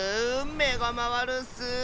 めがまわるッス！